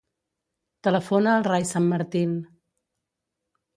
Telefona al Rai Sanmartin.